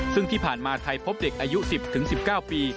ซึ่งที่ผ่านมาไทยพบเด็กอายุ๑๐๑๙ปี